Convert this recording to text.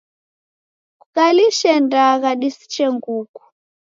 Kukalishe ndagha disiche nguku.